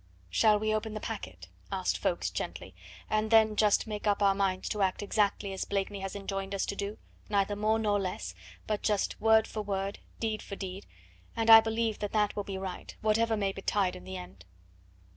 "Shall we open the packet?" asked Ffoulkes gently, "and then just make up our minds to act exactly as Blakeney has enjoined us to do, neither more nor less, but just word for word, deed for deed, and I believe that that will be right whatever may betide in the end."